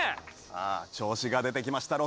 さあ調子が出てきました。